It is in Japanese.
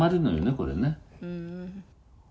これね」